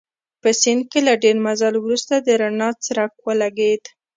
په سیند کې له ډېر مزل وروسته د رڼا څرک ولګېد.